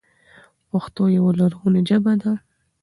پښتو يوه لرغونې ژبه ده،